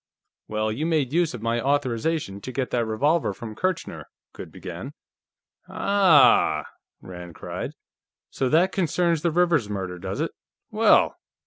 "Well, you made use of my authorization to get that revolver from Kirchner " Goode began. "Aah!" Rand cried. "So that concerns the Rivers murder, does it? Well!